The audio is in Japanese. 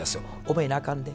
「覚えなあかんで。